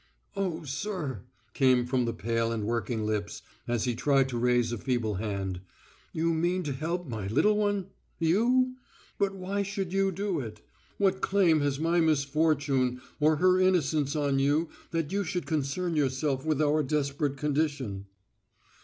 "O sir," came from the pale and working lips, as he tried to raise a feeble hand. "You mean to help my little one, you? But why should you do it? What claim has my misfortune or her innocence on you that you should concern yourself with our desperate condition?"